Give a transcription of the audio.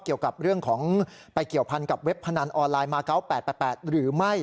เกี่ยวกับเรื่องของไปเกี่ยวพันกับเว็บพนันออนไลน์มา๙๘๘หรือไม่